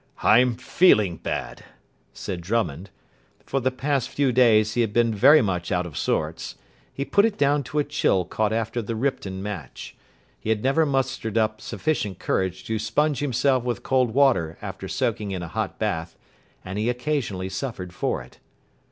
"I'm feeling bad," said Drummond. For the past few days he had been very much out of sorts. He put it down to a chill caught after the Ripton match. He had never mustered up sufficient courage to sponge himself with cold water after soaking in a hot bath, and he occasionally suffered for it.